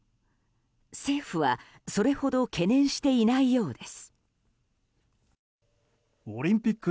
政府は、それほど懸念していないようです。